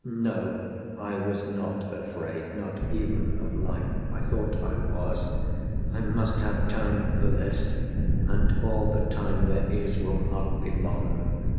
No, I was not afraid not even of life. I thought I was ... I must have time for this; And all the time there is will not be long.